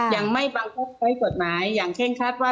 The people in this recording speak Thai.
ยังไม่บังคับใช้กฎหมายอย่างเคร่งคัดว่า